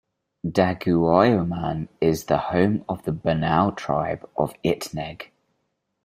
Daguioman is the home of the Banao tribe of Itneg.